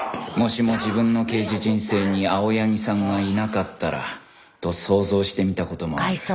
もしも自分の刑事人生に青柳さんがいなかったらと想像してみた事もある